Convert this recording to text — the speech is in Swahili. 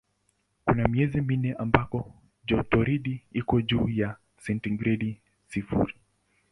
Kuna miezi minne ambako jotoridi iko juu ya sentigredi sifuri.